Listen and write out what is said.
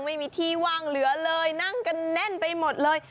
ไม่มีที่ว่างเหลือเลยนั่งกันแน่นไปหมดเลย